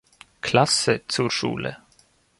Klasse zur Schule.